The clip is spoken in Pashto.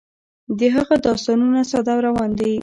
د هغه داستانونه ساده او روان دي.